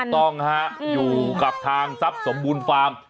ต้องฮะอยู่กับทางทรัพย์สมบูรณ์ฟาร์ม